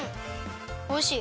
おいしい！